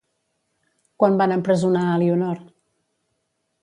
Quan van empresonar Elionor?